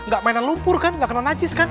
gak mainan lumpur kan gak kena najis kan